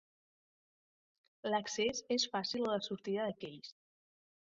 L'accés és fàcil a la sortida de Kayes.